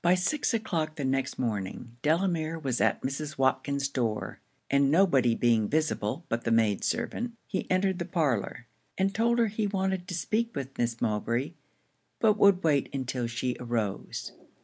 By six o'clock the next morning, Delamere was at Mrs. Watkins's door; and nobody being visible but the maid servant, he entered the parlour, and told her he wanted to speak with Miss Mowbray; but would wait until she arose.